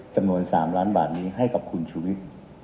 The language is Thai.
จำนวน๓ล้านบาทนี้ให้กับคุณชุวิต